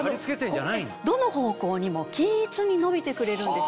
どの方向にも均一に伸びてくれるんです。